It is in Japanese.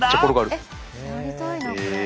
えっやりたいなあこれ。